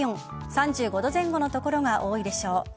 ３５度前後の所が多いでしょう。